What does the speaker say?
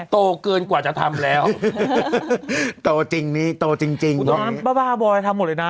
โตเกินกว่าจะทำแล้วโตจริงนี่โตจริงจริงเนาะบ้าบ้าบอยทำหมดเลยนะ